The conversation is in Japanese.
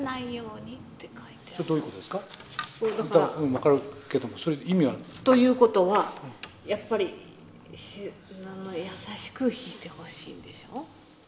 分かるけどもそれ意味は？ということはやっぱり優しく弾いてほしいんでしょう？